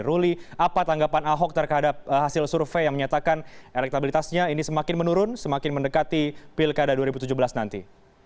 ruli apa tanggapan ahok terhadap hasil survei yang menyatakan elektabilitasnya ini semakin menurun semakin mendekati pilkada dua ribu tujuh belas nanti